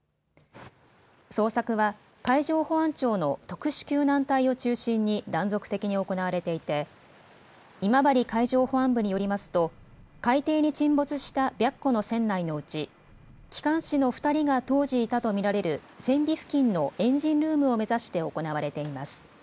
捜索は海上保安庁の特殊救難隊を中心に断続的に行われていて今治海上保安部によりますと海底に沈没した白虎の船内のうち機関士の２人が当時いたと見られる船尾付近のエンジンルームを目指して行われています。